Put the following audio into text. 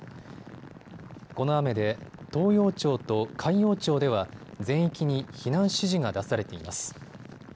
この雨で東洋町と海陽町では全域に避難指示が出されています。